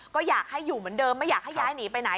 ก็อยากให้อยู่เหมือนเดิมไม่อยากให้ย้ายหนีไปไหน